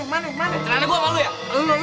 eh celana gua sama lu ya